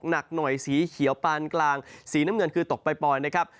หนักหน่อยสีเขียวปานกลางสีน้ำเงินคือตกปล่อยนะครับ